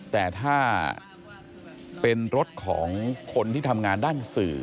แต่ถ้าเป็นรถของคนที่ทำงานด้านสื่อ